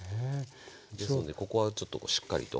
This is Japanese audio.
ですのでここはちょっとしっかりと。